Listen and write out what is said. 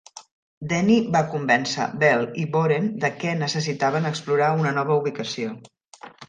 Denny va convèncer Bell i Boren de què necessitaven explorar una nova ubicació.